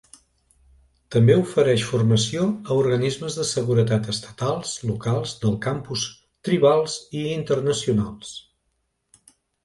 També ofereix formació a organismes de seguretat estatals, locals, del campus, tribals i internacionals.